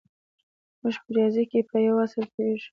موږ په ریاضي کې په یوه اصل پوهېږو